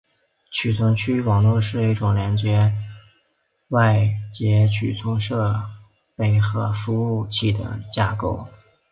储存区域网络是一种连接外接存储设备和服务器的架构。